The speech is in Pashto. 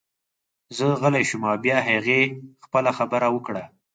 زه غلی شوم او بیا هغې خپله خبره وکړه